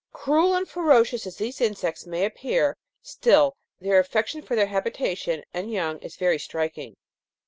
" Cruel and ferocious as these insects may appear, still their affection for their habitation and young is very striking.